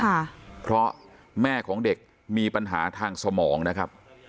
ค่ะเพราะแม่ของเด็กมีปัญหาทางสมองนะครับ